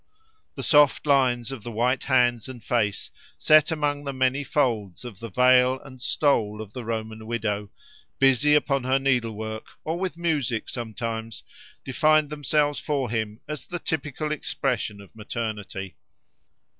The soft lines of the white hands and face, set among the many folds of the veil and stole of the Roman widow, busy upon her needlework, or with music sometimes, defined themselves for him as the typical expression of maternity.